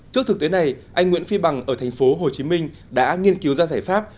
trước thực tế này anh nguyễn phi bằng ở thành phố hồ chí minh đã nghiên cứu ra giải pháp